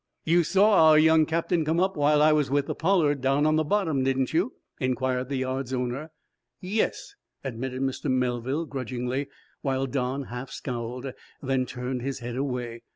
"You saw our young captain come up while I was with the 'Pollard' down on the bottom, didn't you?" inquired the yard's owner. "Yes," admitted Mr. Melville, grudgingly, while Don half scowled, then turned his head away.